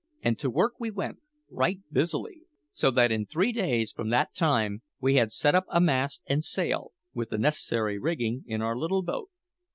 And to work we went right busily, so that in three days from that time we had set up a mast and sail, with the necessary rigging, in our little boat.